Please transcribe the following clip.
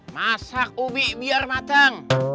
masak ubi biar mateng